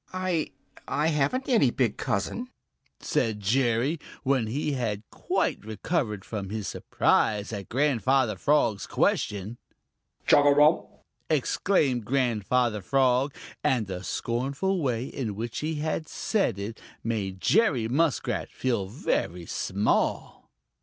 "I I haven't any big cousin," said Jerry, when he had quite recovered from his surprise at Grandfather Frog's question. "Chugarum!" exclaimed Grandfather Frog, and the scornful way in which he said it made Jerry Muskrat feel very small.